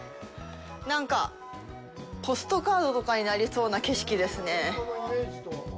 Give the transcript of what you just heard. なんかポストカードとかになりそうな景色ですね。